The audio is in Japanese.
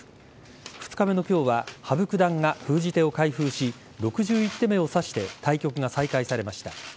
２日目の今日は羽生九段が封じ手を開封し６１手目を指して対局が再開されました。